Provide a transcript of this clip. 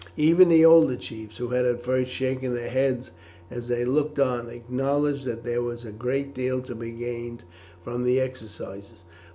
Even the older chiefs, who had at first shaken their heads as they looked on, acknowledged that there was a great deal to be gained from the exercises.